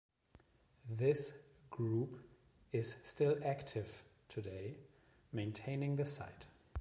This group is still active today maintaining the site.